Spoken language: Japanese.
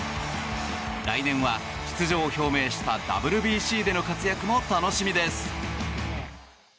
来年は出場を表明したＷＢＣでの活躍も楽しみです。